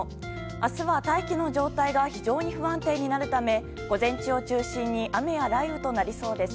明日は大気の状態が非常に不安定になるため午前中を中心に雨や雷雨となりそうです。